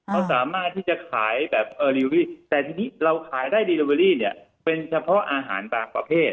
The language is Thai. เขาสามารถที่จะขายแบบเออรีวิแต่ทีนี้เราขายได้ดีลอเวอรี่เนี่ยเป็นเฉพาะอาหารบางประเภท